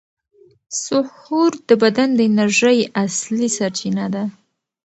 سحور د بدن د انرژۍ اصلي سرچینه ده.